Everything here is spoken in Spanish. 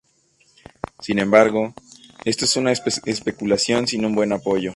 Sin embargo, esto es una especulación sin un buen apoyo.